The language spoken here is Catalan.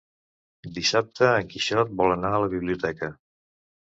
Dissabte en Quixot vol anar a la biblioteca.